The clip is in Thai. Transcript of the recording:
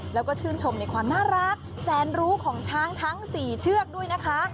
แล้วก็ชื่นชมในความน่ารักแสนรู้ของช้างทั้ง๔เชือกด้วยนะคะ